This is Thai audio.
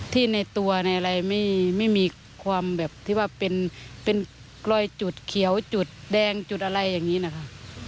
ในตัวในอะไรไม่มีความแบบที่ว่าเป็นรอยจุดเขียวจุดแดงจุดอะไรอย่างนี้นะคะ